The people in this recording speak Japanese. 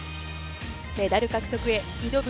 メダル獲得へ、挑む